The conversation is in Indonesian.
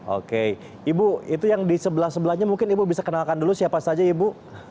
oke ibu itu yang di sebelah sebelahnya mungkin ibu bisa kenalkan dulu siapa saja ibu